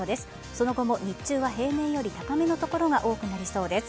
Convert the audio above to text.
その後も日中は平年より高めの所が多くなりそうです。